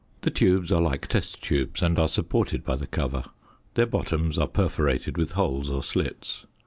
The tubes are like test tubes and are supported by the cover; their bottoms are perforated with holes or slits.